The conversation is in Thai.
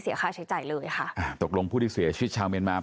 เคสของผู้เสียชีวิตและผู้บาดเจ็บทุกรายเนี่ย